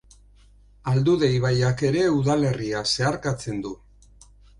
Aldude ibaiak ere udalerria zeharkatzen du.